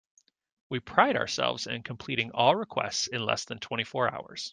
We pride ourselves in completing all requests in less than twenty four hours.